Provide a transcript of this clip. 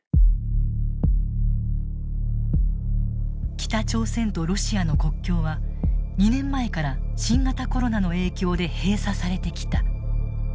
北朝鮮とロシアの国境は２年前から新型コロナの影響で閉鎖されてきた。